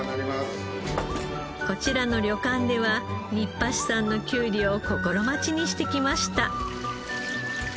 こちらの旅館では新橋さんのきゅうりを心待ちにしてきました。